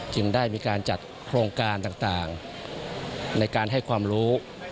จึงได้มีการจัดโครงการต่างในการให้ความรู้